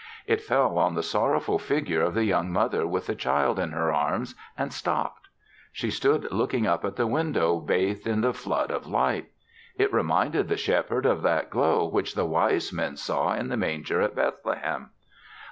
It fell on the sorrowful figure of the young mother with the child in her arms and stopped. She stood looking up at the window bathed in the flood of light. It reminded the Shepherd of that glow which the wise men saw in the manger at Bethlehem.